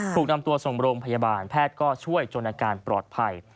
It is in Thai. ถูกนำตัวส่งโรงพยาบาลแพทย์ก็ช่วยจนอาการปลอดภัย